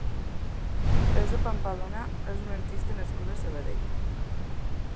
Teresa Pampalona és una artista nascuda a Sabadell.